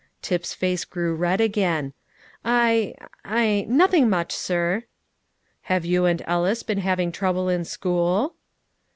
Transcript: Tip's face grew red again. "I I nothing much, sir." "Have you and Ellis been having trouble in school?"